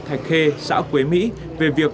thạch khê xã quế mỹ về việc